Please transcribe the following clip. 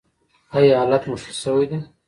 ایا حالت مو ښه شوی دی؟